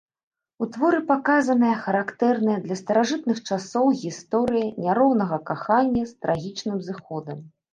У творы паказаная характэрная для старажытных часоў гісторыя няроўнага кахання з трагічным зыходам.